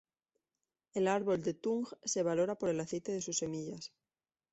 El árbol de tung se valora por el aceite de sus semillas.